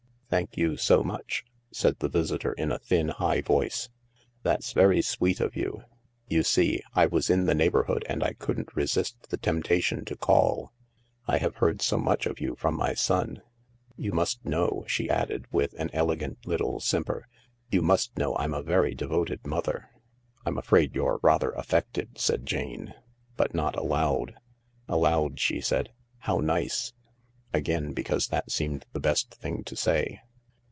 " Thank you so much," said the visitor in a thin, high voice. " That's very sweet of you. You see, I was in the neighbourhood and I couldn't resist the temptation to call. I have heard so much of you from my son. You must know," she added, with an elegant little simper, " you must know I'm a very devoted mother." u I'm afraid you're rather affected," said Jane, but not aloud. Aloud she said :" How nice "— again because that seemed the best thing to say.